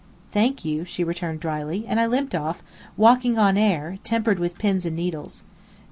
"Thank you," she returned dryly; and I limped off, walking on air, tempered with pins and needles.